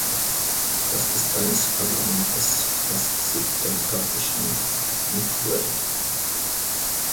Das ist eines Parlamentes, das sich demokratisch nennt, nicht würdig.